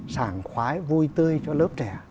sảng khoái vui tươi cho lớp trẻ